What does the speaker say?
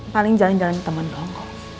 paling jalan jalan temen lo kok